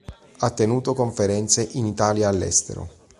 Ha tenuto conferenze in Italia e all'estero.